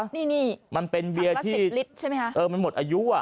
นี่นี่มันเป็นเบียร์๒๐ลิตรใช่ไหมคะเออมันหมดอายุอ่ะ